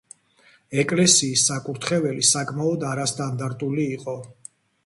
ეკლესიის საკურთხეველი საკმაოდ არასტანდარტული იყო.